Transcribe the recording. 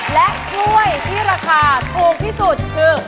และถ้วยที่ราคาถูกที่สุดคือ